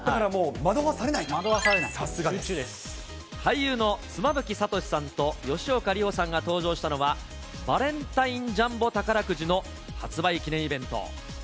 惑わされない、俳優の妻夫木聡さんと吉岡里帆さんが登場したのは、バレンタインジャンボ宝くじの発売記念イベント。